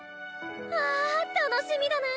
あ楽しみだな！